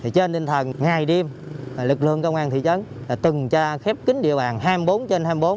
trên tinh thần ngày đêm lực lượng công an thị trấn tần tra khép kín địa bàn hai mươi bốn trên hai mươi bốn